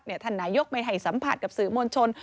ว่าเนี่ยท่านนายกไม่ให้สัมผัสกับสื่อมวลชน